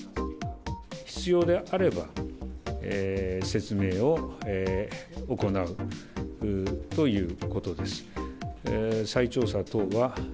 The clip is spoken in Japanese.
必要であれば説明を行うということです。